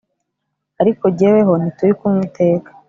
ariko jyeweho ntituri kumwe iteka